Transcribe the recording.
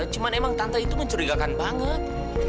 cuma emang tante itu mencurigakan banget